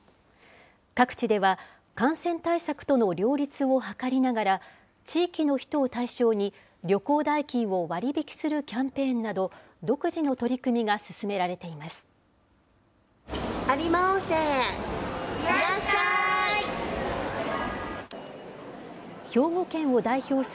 各地では、感染対策との両立を図りながら、地域の人を対象に旅行代金を割引するキャンペーンなど、独自の取り組みが進められています。